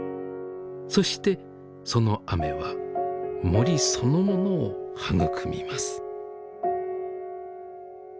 そしてその雨は森そのものを育みます。